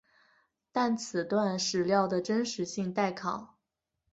但此段史料的真实性待考。